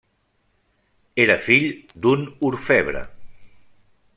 Era fill d'un orfebre.